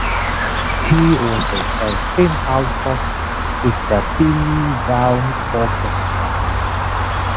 He also played twin altos with the Billy Vaughn Orchestra.